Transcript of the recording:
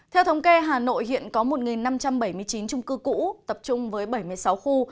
theo thống kê hà nội hiện có một năm trăm bảy mươi chín trung cư cũ tập trung với bảy mươi sáu khu